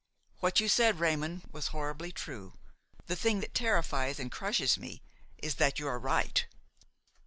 What you said, Raymon, was horribly true! The thing that terrifies and crushes me is that you are right.